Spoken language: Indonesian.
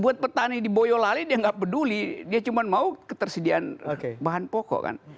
buat petani di boyolali dia nggak peduli dia cuma mau ketersediaan bahan pokok kan